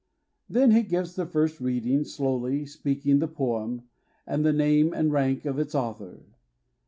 Then he gives the first read ing, slowly speaking the poem, and the name and rank of its author.